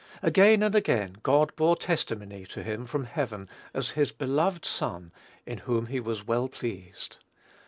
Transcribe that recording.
Again and again God bore testimony to him from heaven, as his "beloved Son, in whom he was well pleased."